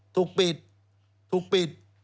ถูกปิดถูกปิด